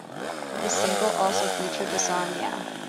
The single also featured the song Yeah!